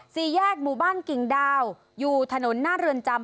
สี่แยกหมู่บ้านกิ่งดาวอยู่ถนนหน้าเรือนจำ